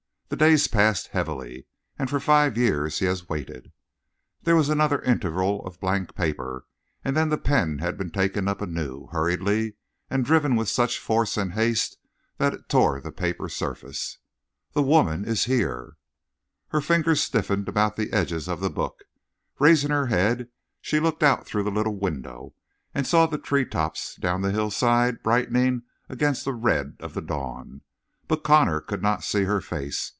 The days passed heavily. And for five years he has waited." There was another interval of blank paper, and then the pen had been taken up anew, hurriedly, and driven with such force and haste that it tore the paper surface. "The woman is here!" Her fingers stiffened about the edges of the book. Raising her head, she looked out through the little window and saw the tree tops down the hillside brightening against the red of the dawn. But Connor could not see her face.